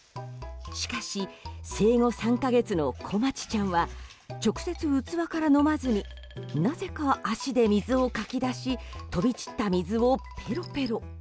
しかし、生後３か月のこまちちゃんは直接、器から飲まずになぜか脚で水をかき出し飛び散った水をぺろぺろ。